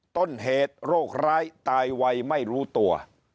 ต้นเหตุโรคร้ายตายวัยไม่รู้ตัว